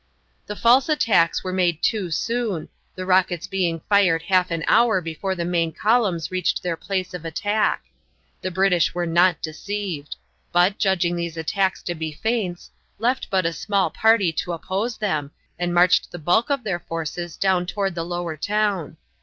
The false attacks were made too soon, the rockets being fired half an hour before the main columns reached their place of attack. The British were not deceived; but, judging these attacks to be feints, left but a small party to oppose them and marched the bulk of their forces down toward the lower town.